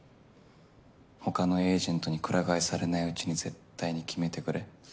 他のエージェントにくら替えされないうちに絶対に決めてくれ。